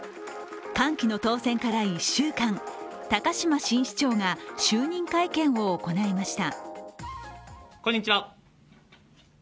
歓喜の当選から１週間、高島新市長が就任会見を行いました。